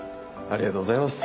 ありがとうございます。